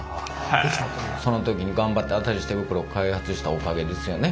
その時に頑張って新しい手袋を開発したおかげですよね。